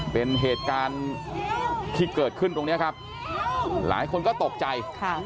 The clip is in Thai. เป็นเหตุการณ์ที่เกิดขึ้นตรงนี้ครับหลายคนก็ตกใจค่ะ